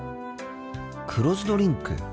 黒酢ドリンク。